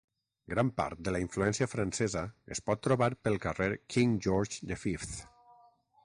Gran part de la influència francesa es pot trobar pel carrer King George the Fifth.